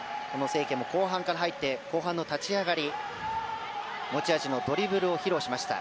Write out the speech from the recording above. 清家も後半から入って後半の立ち上がり持ち味のドリブルを披露しました。